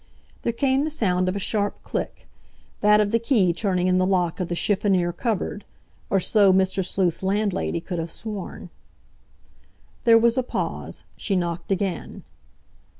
There came the sound of a sharp click, that of the key turning in the lock of the chiffonnier cupboard—or so Mr. Sleuth's landlady could have sworn. There was a pause—she knocked again.